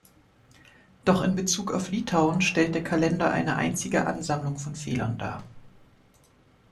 Doch in Bezug auf Litauen stellt der Kalender eine einzige Ansammlung von Fehlern dar.